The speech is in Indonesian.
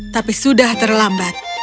tapi sudah terlambat